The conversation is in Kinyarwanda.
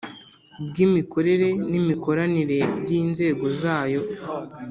bw imikorere n imikoranire by inzego zayo